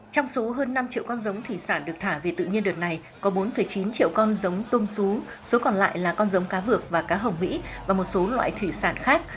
trong số hơn năm triệu con giống thủy sản được thả về tự nhiên đợt này có bốn chín triệu con giống tôm xú số còn lại là con giống cá vược và cá hồng mỹ và một số loại thủy sản khác